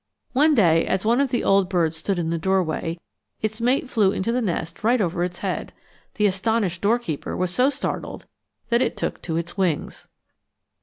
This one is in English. One day as one of the old birds stood in the doorway its mate flew into the nest right over its head. The astonished doorkeeper was so startled that it took to its wings.